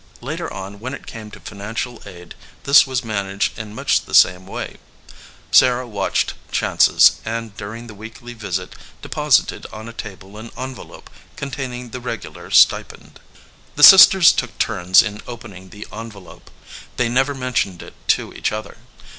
Later on, when it came to financial aid, this was managed in much the same 76 VALUE RECEIVED way. Sarah watched chances, and during the weekly visit deposited on a table an envelope con taining the regular stipend. The sisters took turns in opening the envelope. They never mentioned it to each other.